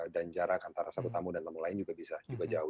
dan jarak antara satu tamu dan tamu lain juga bisa jauh